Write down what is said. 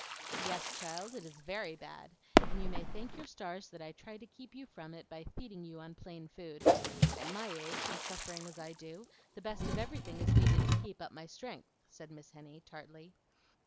"Yes, child, it is VERY bad, and you may thank your stars that I try to keep you from it by feeding you on plain food. At my age, and suffering as I do, the best of everything is needed to keep up my strength," said Miss Henny, tartly.